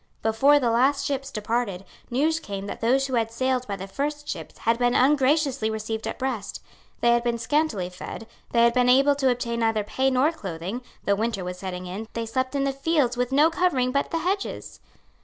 Before the last ships departed, news came that those who had sailed by the first ships had been ungraciously received at Brest. They had been scantily fed; they had been able to obtain neither pay nor clothing; though winter was setting in, they slept in the fields with no covering but the hedges.